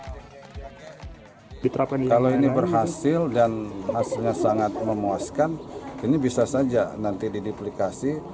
kalau ini berhasil dan hasilnya sangat memuaskan ini bisa saja nanti didiplikasi